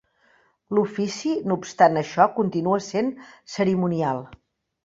L'ofici, no obstant això, continua sent cerimonial.